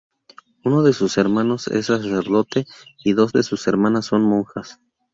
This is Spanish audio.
Uno de sus hermanos es sacerdote y dos de sus hermanas son monjas.